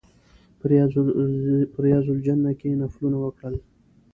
په ریاض الجنه کې نفلونه وکړل.